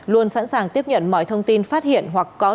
luôn sẵn sàng tiếp nhận mọi thông tin phát hiện hoặc có lý do